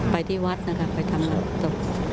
ไปที่วัดนะครับไปทำรับตรง